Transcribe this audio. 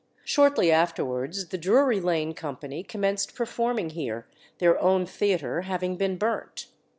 Shortly afterwards the Drury Lane company commenced performing here, their own theatre having been burnt.